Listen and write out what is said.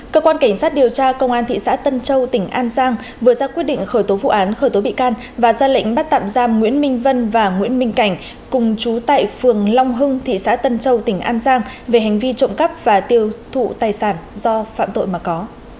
cơ quan cảnh sát điều tra công an thị xã tân châu tỉnh an giang vừa ra quyết định khởi tố vụ án khởi tố bị can và ra lệnh bắt tạm giam nguyễn minh vân và nguyễn minh cảnh cùng chú tại phường long hưng thị xã tân châu tỉnh an giang về hành vi trộm cắp và tiêu thụ tài sản do phạm tội mà có